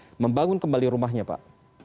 atau bisa dibangun kembali rumahnya pak